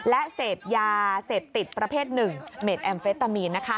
และเสพยาเสพติดประเภท๑เมดแอมเฟตามีน